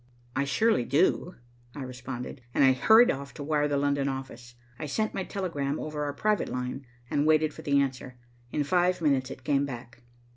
"I surely do," I responded, and I hurried off to wire the London office. I sent my telegram over our private line, and waited for the answer. In five minutes it came back.